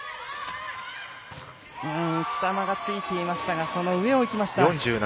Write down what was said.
北間がついていましたがその上をいきました。